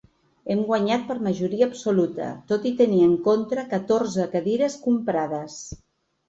Hem guanyat per majoria absoluta tot i tenir en contra catorze cadires comprades.